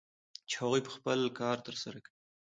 چې هغوی به خپل کار ترسره کوي